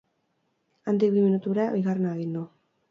Handik bi minutura, bigarrena egin du.